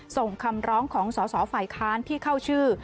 ส่งคำร้องของสอสอฝ่ายค้านที่เข้าชื่อ